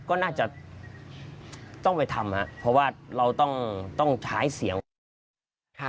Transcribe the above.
ก็น่าจะต้องไปทำครับเพราะว่าเราต้องใช้เสียง